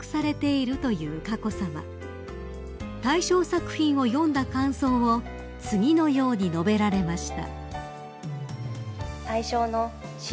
［大賞作品を読んだ感想を次のように述べられました］